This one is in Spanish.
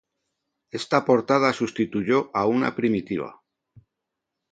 Esta portada sustituyó a una primitiva.